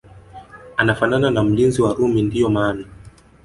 anafanana na mlinzi wa Rumi ndio maana